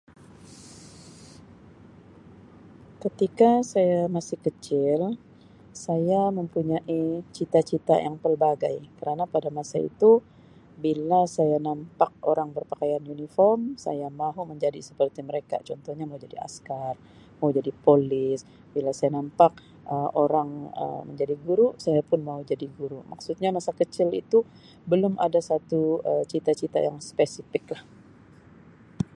Ketika saya masih kecil saya mempunyai cita-cita yang pelbagai kerana pada masa itu bila saya nampak orang berpakaian 'uniform' saya mahu menjadi seperti mereka contohnya mau jadi askar, mau jadi polis. Bila saya nampak Um orang Um menjadi guru, saya pun mau jadi guru. Maksudnya masa kecil itu belum ada satu Um cita-cita yang spesifik lah.